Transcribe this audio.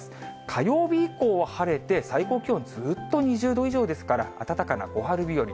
火曜日以降は晴れて、最高気温、ずっと２０度以上ですから、暖かな小春日和。